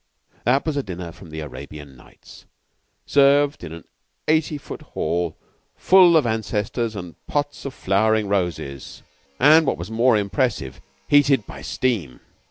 That was a dinner from the "Arabian Nights," served in an eighty foot hall full of ancestors and pots of flowering roses, and, what was more impressive, heated by steam.